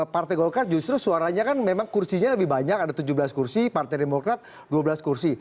partai golkar justru suaranya kan memang kursinya lebih banyak ada tujuh belas kursi partai demokrat dua belas kursi